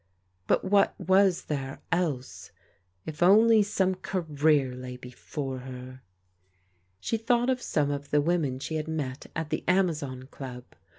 But what was there, else? If only some career lay be fore her! THE ''GOOD FRIEND'' 223 She thought of some of the women she had met at the Amazon Club.